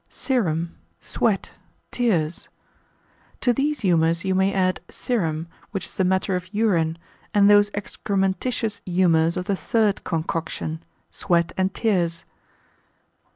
Serum, Sweat, Tears.] To these humours you may add serum, which is the matter of urine, and those excrementitious humours of the third concoction, sweat and tears.